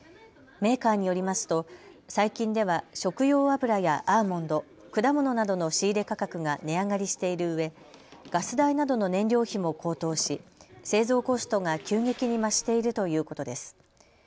メーカーによりますと最近では食用油やアーモンド、果物などの仕入れ価格が値上がりしているうえガス代などの燃料費も高騰し製造コストが急激に増しているということです。